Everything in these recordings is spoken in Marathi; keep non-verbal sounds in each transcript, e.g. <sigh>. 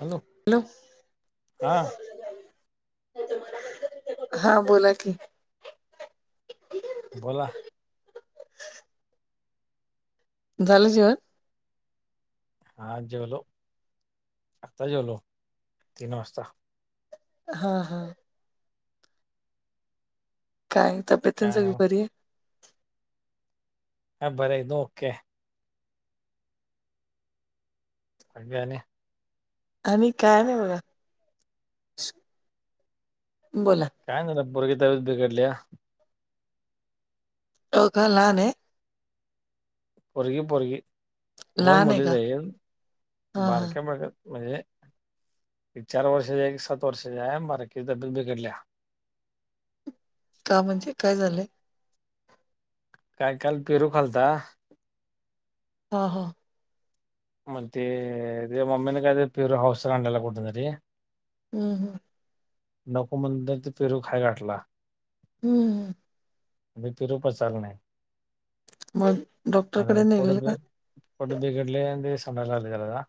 हॅलो हा हा बोला की. बोला. झालं जेवन. हा जेवलो आत्ता जेवलो तीन वाजता. हा हा. काय तब्येतून काय नाही सगळी मग. बरी आहे. ह बरं इन ओके. अणबया आणि. आम्ही काय नाही बघा बोला. काय नाही ना पुरग त बेडल्या हो का ला नाही. पोरगी पोरगी दोन लहान आहे मुली का जाईन हा हा बारक्या बगत. म्हणजे एक चार वर्षाचे आहे एक सात वर्षाच्या आहे बारकी ची तब्येत बिघडल्या. का म्हणजे काय झालंय. काय काल पेरू खालता. हा हा. मतेे मम्मीनी काय तर हसन आणला होता. हम् हम नको म्हण ते पेरू खाय घाटला. हम्म पेरू पचायला नाही. मग डॉक्टरकडे नेलेलं का पोट बिघडले आणि संडासला लागले त्याला.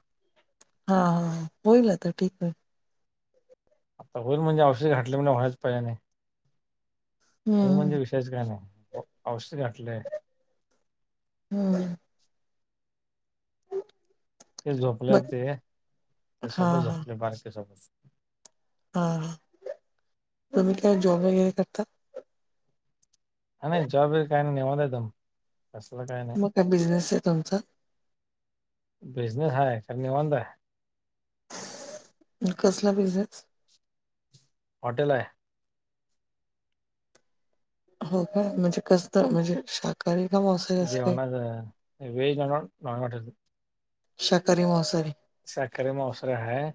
हा हा होईल तर ठीक आहे आता होल म्हणजे औषध घाटल्या म्हणज हो्हायच पाहिजे नाही हो हम्म म्हणजे. तेचकाने औषध अठले.. हम् ते झोपले मग ते हा त्यासोबत हा झोपले बारके सोबत. हा तुम्ही काय जॉब वगैरे करता. आणि नाही जॉब काही नाही निेव देतम कसलं काही नाही मग काय बिझनेस आहे तुमचा बिजनेस ह कर वांद. कसला बिझनेस. हॉटेल आहे. हो काय म्हणजे कस म्हणजे शा कारी का मस जेवणाचा <unintelligible> शाकाहारी मांसाहारी शाकाहारी मांसाहारी आहे.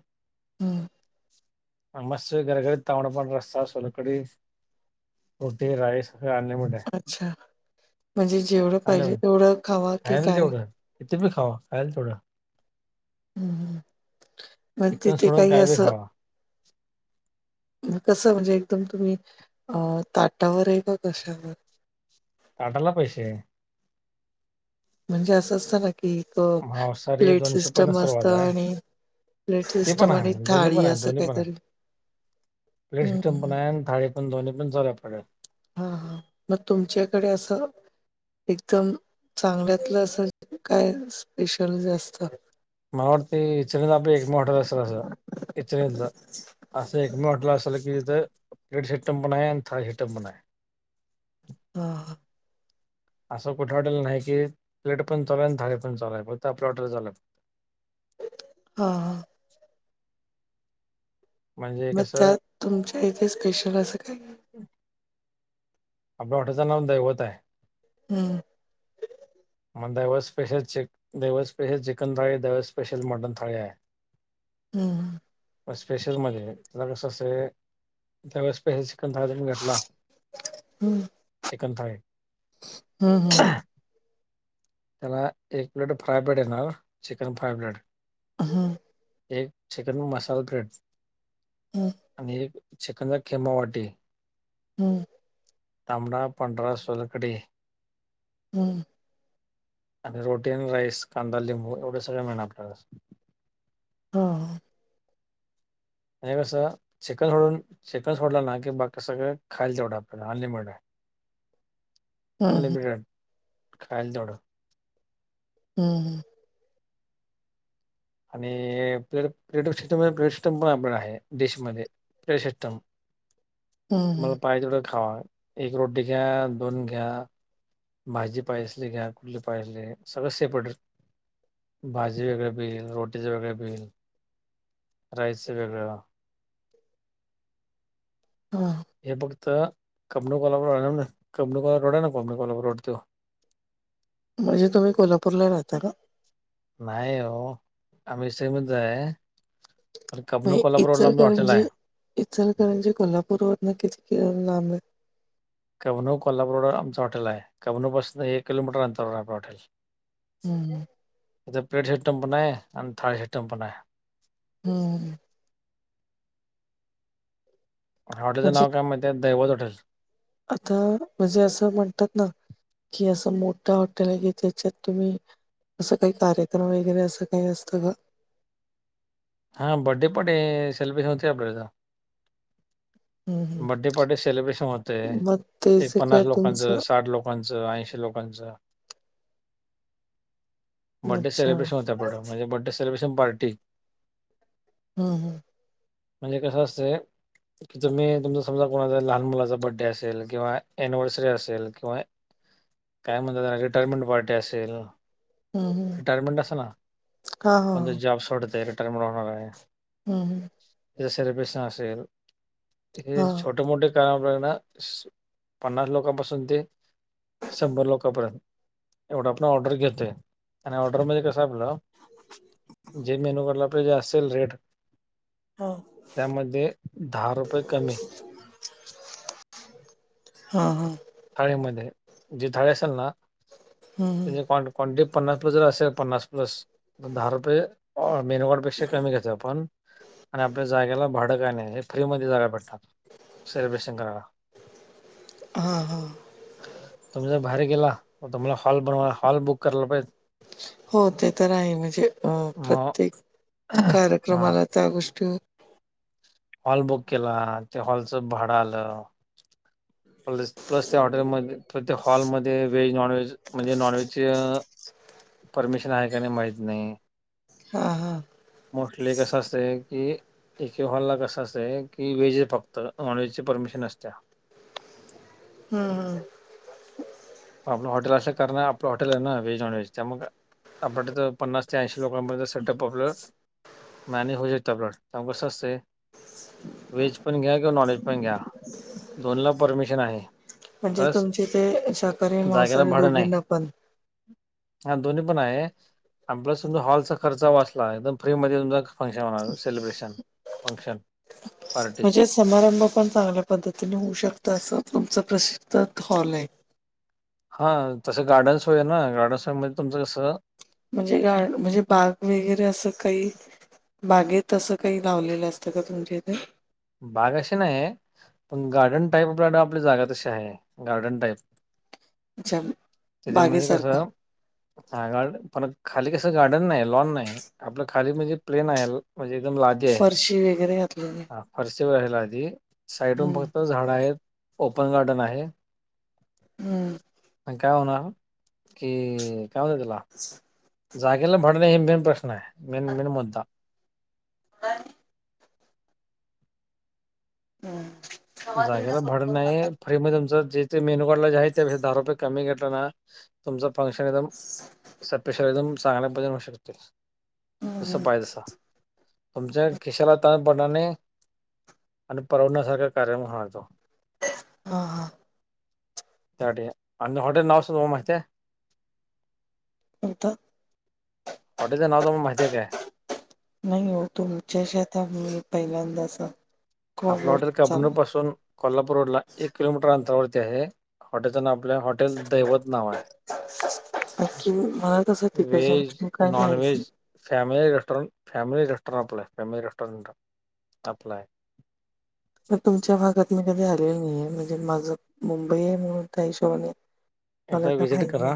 हम् मस् घर घरी तावडपण रस्ता सोलकडी रोटी राईस अन्य मिट. अच्छा म्हणजे जेवढं पाहिजे तेवढं खावा की काय. कितीेी खावा खायलथोडा. हम् मग चिकन तिथे सोडून काही काय बी असं. <inaudible> कसं म्हणजे एकदम तुम्ही अ ताटावर आहे का कशावर. ताटायला पैसे. म्हणजे असं असतं ना की मांसाहारी प्लेट दोनशे सिस्टम पन्नास असत सुरुवात आहे आणि. प्लेट ते पण सिस्टम आणि आहे थाळी असं काहीतरी. पलेट हं, सिस्टम पण हं. आहे आणि थाळी पण ध्नी पण चाल पडे. हा हा मग तुमच्याकडे असं. एकदम चांगल्यातलं असं काय स्पेशल जास्त. मला वाटतय ह्याच्यातच आपल एक मॉडेल असेल असं येचाइथलं. असं एक मॉडेल असल की त्याज पिड सेटमंपण आहे आणि थर्ड सेटप पण आहे. हां असं कुठे वाटेल नाही की प्लेट पण चालू हाय थाळी पण चालू हाय फक्त आपली ऑर्डर झाल्यात हा हा. म्हणजे मग कसं त्यात तुमच्या इथे स्पेशल असं काय आहे. <unintelligible> आपल्या हॉटेचं नाव दैवत आहे. हम्. <unintelligible> मग दैवत स्पेशल चिक दैवत स्पेशल चिकन थाळी दैवत स्पेशल मटन थाळी आहे. <unintelligible> हूं हूं म स्पेशल मध्ये त्याला कसं असंय त्यावेळेस स्पेशल चिकन थाळी तुम्ही घेटला. हम्म. चिकन थाळी हूं हूं त्याला एक प्लेट फ्राय प्लेट येणार चिकन फाय प्लेट. हूं एक चिकन मसाला ब्रेड हम्म आणि एक चिकन चा खिमा वाटी हम्म तांबडा पांढरा सोलकडी हूं आणि रोटी आणि राईस कांदा लिंबू एवढे सगळं मिळणार आपल्याला. हो. आणि कसं चिकन सोडून चिकन सोडलं ना की बाकी सगळं खाईल तेवढं आपल्याला अनलिमिटेड आहे. हं, हं, अनलिमिटेड खाईल तेवढं हूं हूं आणि <unintelligible> सिस्टम पण आहे डिशमध्ये पे सिस्टम. हं, तुम्हाला हं. पाहिजे तेवढं खावा एक रोटी घ्या दोन घ्या. भाजी पायजी असली घ्या कुठली पायजे असली सगळं सेप्रेट. भाजी वेगळे बील रोटीच वेगळे बील. राईस चं वेगळं. हा. हे फक्त कबनू कोल्हापूर आहे कमनू कोल्हापूर रोड आहे ना कबन कोल्हापूर रोड तो म्हणजे तुम्ही कोल्हापूरला राहता का. नाही हो आम्ही सिलमन आहे. आणि कबनू कोल्हापूर रोड ला आमच्या हॉटेल हाय. इचलकरणजी कोल्हापूर वरन किती लांब आहे. कबनू कोल्हापूर रोडवर आमच हॉटेल आहे कभनौ पासून एक किलोमीटर अंतरारवर आपलं हॉटेल हम्म हम्म त्याचा पेड सिस्टीम पण हाय आणि थाळी सिस्टीम पण हाय. हम्म हॉटेचं म्हणजे नाव काय माहीत आहे दैवत हॉटेल- आता म्हणजे असं म्हणतात ना कि असं मोठा हॉटेल आहे की त्याच्यात तुम्ही असं काही कार्यक्रम वगैरे असं काही असतं का? हा बड्डे पार्टी सेलिब्रेशन होतय आपल्या इथ हं, हं. बड्डे पार्टी सेलिब्रेशन होते, मग ते एक जे पन्नास काय लोकांचं तुमचं साठ लोक लोकांच ऐंशी लोकांचं, बर्थडे अच्छा. सेलिब्रेशन होतय पुढं. म्हणजे बर्थडे सेलब्रेशन पार्टी. हम हम म्हणजे कसं असतय कि तुम्ही तुमचा समजा कोणाचा लहान मुलाचा बड्डे असेल किंवा अनिव्हर्सरी असेल किंवा काय म्हणतात त्याला रिटायरमेंट पार्टी असेल हं, हं. रिटायरमेंट अस ना, हां, कोणते हां. जॉब सोडते रिटायरमेंट होणार आहे. हम हम त्याचं सेलिब्रेशन असेल, हे हां. छोटे मोठे <unintelligible> पन्नास लोकांपासून ते शंभर लोकांपर्यंत एवढं आपण ऑर्डर घेतोय, आणि ऑर्डरमध्ये कसंय आपलं जे मेनु कार्डला रुपये जे असेल रेट, हां, त्यामध्ये दहा रुपये कमी. हा हा थाळीमध्ये, जे थाळे असेल ना हं, हं. त्या कन क्वांटिटी पन्नास प्लस जर असेल पन्नास प्लस, तर दहा रुपये मेनू कार्ड पेक्षा कमी घेतोय आपण, आणि आपल्या जागेला भाडं काय नाही. फ्रीमध्ये जागा भेटता, सेलिब्रेशन करायला. हा हा तुम्ही जर बाहेर गेला, तर तुम्हाला हॉल बनवा हॉल बुक करायला पाहिजे. हो ते तर आहे म्हणजे, अ मग प्रत्येक हा कार्यक्रमाला त्या गोष्टी हॉल बुक केला, त्या हॉलचं भाडं आलं. प्लस प्लस त्या हॉटेलमध्ये, तर त्या हॉलमध्ये व्हेज नॉन व्हेज म्हणजे नॉन व्हेजचे परमिशन आहे का नाही माहित नाही? हां हां मोस्टली कसं असतंय की एक एक हॉल ला कस असतंय, की व्हेज आहे फक्त नॉन व्हेजची परमिशन नसते. हम्म् आपलं हॉटेल असंय कारण, आपलं हॉटेल आहे ना व्हेज नॉनव्हेज त्यामुळं का आपणलं तर पन्नास ते ऐंशी लोकांपर्यंत सेटअप आपलं <unintelligible> त्यामुळं कसं असतंय व्हेज पण घ्या किंवा नॉनव्हेज पण घ्या, दोन ला परमिशन आहे. म्हणजे प्लस तुमच्या इथे, शाकाहारी, जागेला मांसाहारी दोघींना पण? हा दोन्ही पण आहे. आणि प्लस तुमचा हॉलचा खर्च वाचला, एकदम फ्री मध्ये तुमचं फंक्शन होणार सेलिब्रेशन. फंक्शन पार्टी म्हणजे समारंभ पण चांगल्या पद्धतीने होऊ शकत असं, तुमचं प्रसिद्ध हॉल आहे. हा तसं गार्डन्स सोय आहे ना, गार्डन सोय म्हणजे तुमचं कसं म्हणजे गा म्हणजे बाग वगैरे असं काही बागेत तसं काही लावलेलं असतं का तुमच्या इथे? बाग अशी नाही, पण गार्डन टाईप आपल्याकडे जागा तशी आहे गार्डन टाईप. अच्छा त्याच्यामध्ये बागेसारखं कसं हा गार्ड पण खाली कसं गार्डन नाही लॉन नाही, आपलं खाली म्हणजे प्लेन आहे. म्हणजे एकदम लादीे आहे. शी वगैरे घातलेली. फरशी <unintelligible> आधी साईडहून हं, भरपूर झाड आहेत, ओपन गार्डन आहे. हं. पण काय होणार, कि काय म्हणतात त्याला <unintelligible> जागेला भाडं नाही हे मेन प्रश्न आहे, मेन मेन मुद्दा. आणि. <unintelligible> हम. जागेला भाडं नाही फ्री मधे तुमं जे जे मेन्यू काढला जे आहे त्यापेक्षा दहा रुपये कमी घेतला ना. तुमच फंक्शन एकदम सपेशलदम चांगल्या पद्ल होऊ शकतील. तसं पायदसा. <unintelligible> तुमच्या खिशाला ताणपणाने आणि परव. ण्यासारखा कार्य हो तो ह हा. हा ठिकय आणि हॉटेल नाव सु म माहिित आह. आता. <unintelligible> हाँटेल च नाव तम माहिित का आहे. नाही हो तुमच्यात मी पहिल्यांदाच. आपलं कॉलवर हॉटेल कबनूर चालू पासून कोल्हापूर रोड ला एक किलोमीटर अंतरावरती आहे. हॉटेलचं ना आपलं हॉटेल दैवत नाव आहे. अखी मला कस तिकडच्या व्हेज, गोष्टी काय पाहिच. Non veg <unintelligible> family restaurant family restaurant आप्लाय फॅमिली रेस्टॉरंट आपपलाय. तुमच्या भागात मी कधी आलेल नाही आहे म्हणजे माझं मुंबई आहे म्हणून त्या हिशोबाने. यदा मला काय विजिट माहित करा नाही.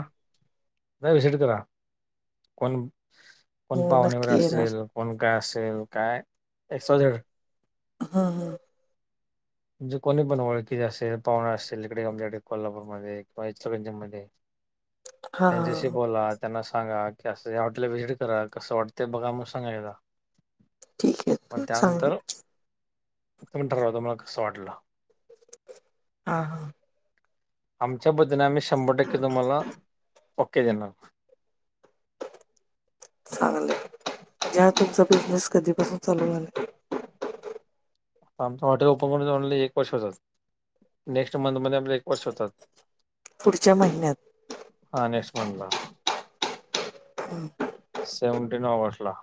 विजिट करा कोण. कोण हो पाहुणे नक्की वगैरे येणार. असेल कोण काय असेल काय एक स दड. हा हा. म्हणजे कोणी पण ओळखीच असेल पाहुणार असेल इकडे आमच्याकडे कोल्हापूरमध्येध्ये किंवा. च्या म हां त्यांच्याशी हां. बोलात. त्यांना सांगा की असं या हॉटेलला व्हिजिट करा कसं वाटतं बघा मग सांगायदा. ठीक मग आहे. चांगली त्यानंतर ठरवा मला कसं वाटलं. हा हा. <unintelligible> आमच्या बदने आम्ही शंभर टक्के तुम्हाला ओके देणार. चांगलेय ज्या तुमचा बिझनेस कधीपासून चालू झाला. आमच हॉटेल ओपन करून एक वर्ष होतात. नेक्स्ट मंथमध्ये आपले एक वर्ष होतात. पुढच्या महिन्यात. हा नेक्ट मंथ ला. हम्. सेव्हन्टीन ऑगस्ट ला.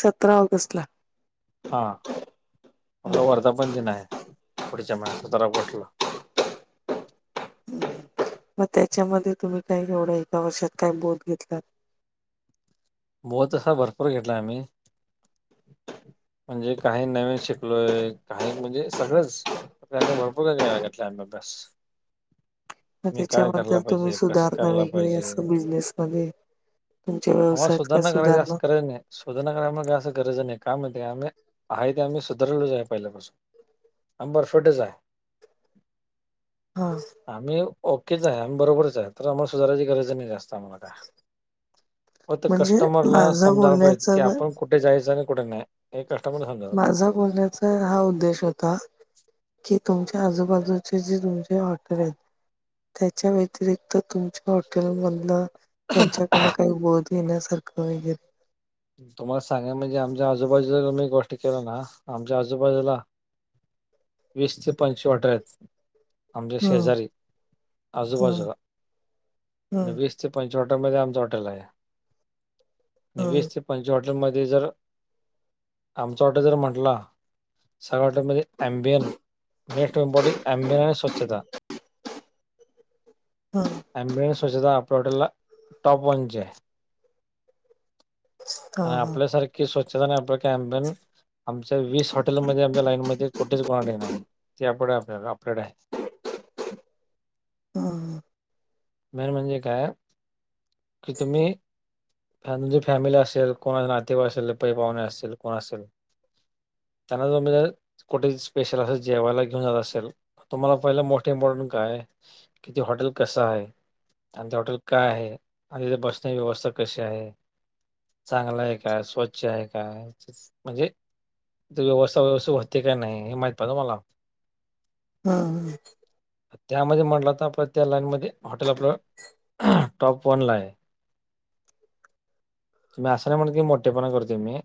सतरा ऑगस्ट ला. हा आपला वर्धापण दिन आहे पुढच्या म सतरा ऑगस्टला. मग त्याच्यामध्ये तुम्ही काय एवढं एका वर्षात काय बोध घेतलात. बोध तसा भरपूर घेतलाम्ही. म्हणजे काही नवीन शिकलोय काही म्हणजे सगळंच. आप आस भरपूर कांगेतल्या आम बस. मग मी काय करायला त्याच्याबद्दल पाहिजे कसं कला पाहिजे. बिजनेसमध्ये आम्हा सुधरणा करा जास्त कररा नाही. सुधारना करायमाग असं गरज नाही काय माहि आम्ही आहे ते आम्ही सुधारलोच आहे पहिल्यापासून आम्ही परफेक्टच आहे हा आम्ही ओकेच आहे आम्ही बरोबरच आहे तर आम्हाला सुधारायची गरज नाही जास्त आम्हाला काय फक्त म्हणजे कस्टमरला माझं समजायला पाहिजे कि बोलण्याचं आपण कुठे जायचं आणि कुठे नाही हे कस्टमरला समजा माझा बोलण्याचा हा उद्देश होता कि तुमच्या आजूबाजूचे जे तुमचे हॉटेल आहेत त्याच्या व्यतिरिक्त तुमच्या हॉटेलमधलं त्यांच्याकडनं पाहिजे काही बोध घेण्यासारखं वगैेरे तुम्हाला सांगा म्हणजे आमच्या आजूबाजूला म्ही गोष्ट केलं ना आमच्या आजूबाजूला वीस ते पंश अठराे <inaudible> आमचेे हं, शेजारी आजोबा हं, हं, ते पंवर मध्ये आमच हॉटेल आहे आणि हं, वीस ते, पण हॉटेलमध्ये जर आमच हॉटेल जर म्हटला सगळणे अबियन मेपॉर्टबियन आणि स्वच्छता <inaudible> हं, अमबन्स स्व्छता आपल्या हॉटेलला टॉप वनचे आहे <inaudible> आणि हां, हां, आपल्यासारखी स्वच्छता आणि आपलं कॅमपिन आमच्या वीस हॉटेलमध्येध्ये आमच्या लाईनमध्येध्ये कुठेच कोणाडी नाही ते आप अपरेट आहे. हा मेन म्हणजे काय की तुम्ही णजे फॅमिली असेल कोण नातेवाइक असेल पई पाहुणे असतील कोण असेल. त्यांना जो कुठे स्पेशल असेल जेवायला घेऊन जात असेल. तुम्हाला पहिलं मोठे इम्पॉर्टट काय कि ते हॉटेल कसं आहे. आणि ते हॉटेल काय आहे आणि तिथे बसण्याची व्यवस्था कशी आहे. चांगलं आहे का स्वच्छ आहे का म्हणजे त व्यवस्थ व्यवस्थित होते का नाही हे माहित पाहतं मला. हम ह त्यामध्ये म्हटलं तर आपण त्या लाईनमध्येध्ये हॉटेल आपलं टॉप वन ला आहे. तुम्ही असं नाही म्हण की मोठेपणा करते मी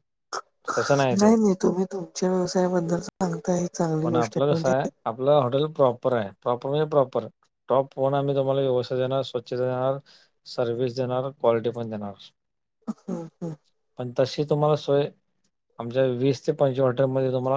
तसं ते नाही नाही तुम्ही तुमच्या व्यवसायाबद्दल सांगता ह चांगली पण गोष्ट आपलं आहे कसं म्हणजे आपलं हॉटेल प्रॉपर आहे प्रॉपर म्हणजे प्रॉपर टॉप वन आम्ही तुम्हाला व्यवसाय देणार स्वच्छता देणार सर्व्हिस देणार क्वालिटी पण देणार. हा ह पण तशी तुम्हाला सोय आमच्या वीस ते पंचवीस हॉटेलमध्येध्ये तुम्हाला